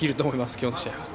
今日の試合。